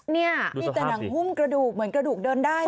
นี่มีแต่หนังหุ้มกระดูกเหมือนกระดูกเดินได้